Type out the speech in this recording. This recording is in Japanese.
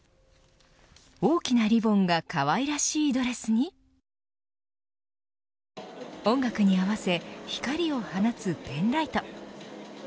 大きなリボンが可愛らしいドレスに音楽に合わせ光を放つペンライト。